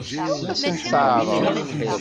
Ad sen-t-teɛṛeḍ?